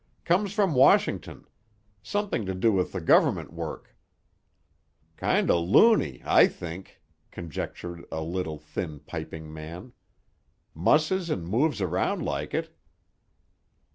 "Comes from Washington. Something to do with the government work." "Kinder loony, I think," conjectured a little, thin, piping man. "Musses and moves around like it."